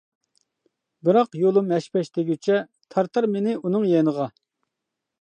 بىراق يولۇم ھەش-پەش دېگۈچە، تارتار مېنى ئۇنىڭ يېنىغا.